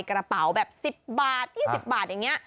กระเป๋าแบบ๑๐บาท๒๐บาทอย่างนี้